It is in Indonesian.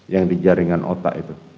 yang di jaringan otak itu